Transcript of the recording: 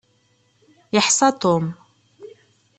Iḥsa Tom.